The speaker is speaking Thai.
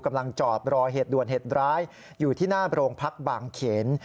กำลังจอดรอเหตุด่วนเหตุร้ายอยู่ที่หน้าโรงพักบางเขน